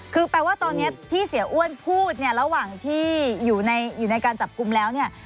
คือแปลว่าตอนนี้ที่เสียอ้วนพูดเนี่ยระหว่างที่อยู่ในการจับกลุ่มแล้วเนี่ย